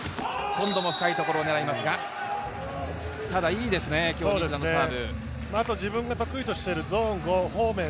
今度も深い所を狙いますが、ただいいですね今日、サーブ。